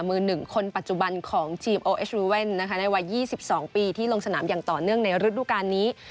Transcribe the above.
มือหนึ่งคนปัจจุบันของทีมโอเอสรูเว่นนะคะในวัย๒๒ปีที่ลงสนามอย่างต่อเนื่องในฤดูการนี้